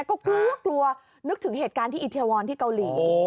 ก็กลัวกลัวนึกถึงเหตุการณ์ที่อิทวรที่เกาหลี